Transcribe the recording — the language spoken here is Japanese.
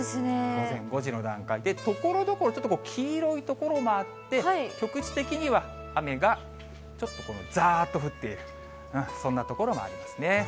午前５時の段階で、ところどころ、ちょっと黄色い所もあって、局地的には雨がちょっとざーっと降っている、そんな所もありますね。